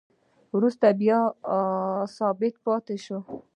وروسته بیا ثابته پاتې شوې